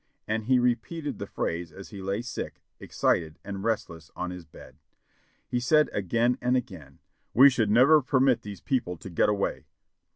and he repeated the phrase as he lay sick, excited, and restless on his bed. He said again and again, *We should never permit these people to get away.'